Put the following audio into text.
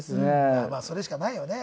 まあまあそれしかないよね。